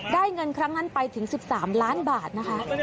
เงินครั้งนั้นไปถึง๑๓ล้านบาทนะคะ